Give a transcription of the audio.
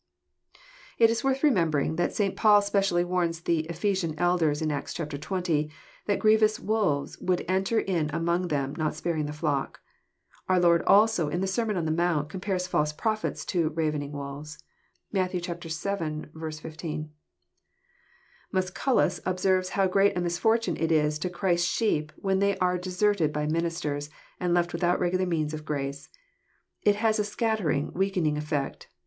It is worth remembering that St. Paul specially warns the Ephesian elders, in Acts xx., that grievous wolves would enter in among them, not sparing the flock. Oar Lord also in the Sermon on the Mount compares false prophets to '' ravening wolves." (Matt. vil. 16.) Musculus observes how great a misfortune it is to Christ's sheep when they are deserted by ministers, and left without regular means of grace.. It has a scattering, weakening effect.